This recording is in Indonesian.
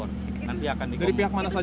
nanti akan digunakan